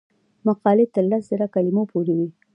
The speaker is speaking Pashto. مقالې تر لس زره کلمو پورې وي.